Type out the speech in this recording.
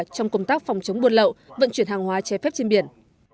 trong công tác phòng chống buôn lậu vận chuyển hàng hóa trái phép trên biển